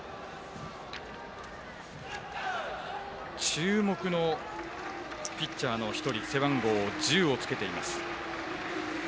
注目のピッチャーの１人背番号１０をつけています。